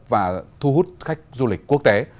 và thu hút khách du lịch quốc tế